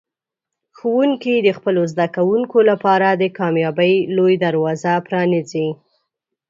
ښوونکي د خپلو زده کوونکو لپاره د کامیابۍ لوی دروازه پرانیزي.